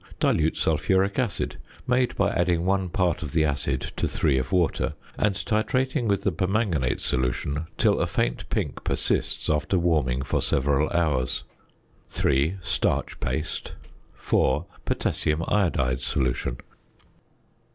Dilute sulphuric acid, made by adding one part of the acid to three of water, and titrating with the permanganate solution till a faint pink persists after warming for several hours. 3. Starch paste. 4. Potassium iodide solution.